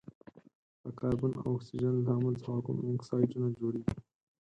د کاربن او اکسیجن له تعامل څخه کوم اکسایدونه جوړیږي؟